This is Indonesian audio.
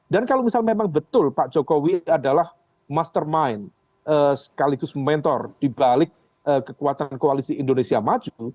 dan kalau misalnya memang betul pak jokowi adalah mastermind sekaligus mentor dibalik kekuatan koalisi indonesia maju